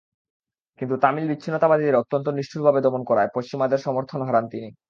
কিন্তু তামিল বিচ্ছিন্নতাবাদীদের অত্যন্ত নিষ্ঠুরভাবে দমন করায় পশ্চিমাদের সমর্থন হারান তিনি।